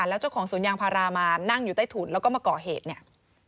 แล้วเจ้าของสวนยางพารามานั่งอยู่ใต้ถุนแล้วก็มาก่อเหตุเนี่ย